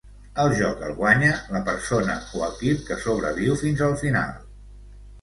El joc el guanya la persona o equip que sobreviu fins al final.